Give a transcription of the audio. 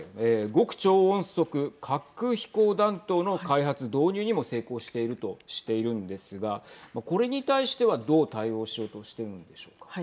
極超音速滑空飛行弾頭の開発・導入にも成功しているとしているんですがこれに対してはどう対応しようとしてるんでしょうか。